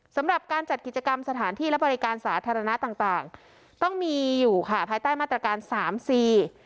สำหรับการจัดกิจกรรมสถานที่และบริการสาธารณะต่างต่างต้องมีอยู่ค่ะภายใต้มาตรการสามสี่